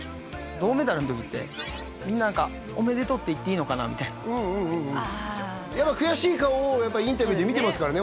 銅メダルの時ってみんな何かおめでとうって言っていいのかなみたいなやっぱ悔しい顔をインタビューで見てますからね